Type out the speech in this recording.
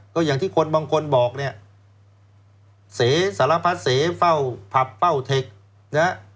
ก็อย่างที่คนบางคนบอกเนี่ยเสสารพัดเสเฝ้าผับเฝ้าเทคนะฮะ